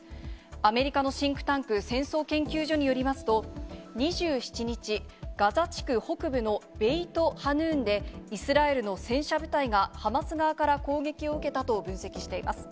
アメリカのシンクタンク、戦争研究所によりますと、２７日、ガザ地区北部のベイトハヌーンで、イスラエルの戦車部隊がハマス側から攻撃を受けたと分析しています。